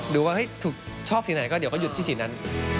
ดูว่าถูกชอบสีไหนก็เดี๋ยวก็หยุดที่สีนั้น